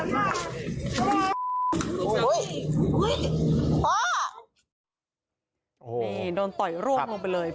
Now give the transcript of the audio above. นี่โดนโต่โยมลงไปเลย